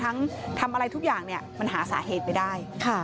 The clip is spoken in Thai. ทั้งทำอะไรทุกอย่างเนี้ยมันหาสาเหตุไปได้ค่ะ